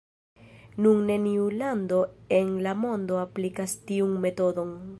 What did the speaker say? Nun neniu lando en la mondo aplikas tiun metodon.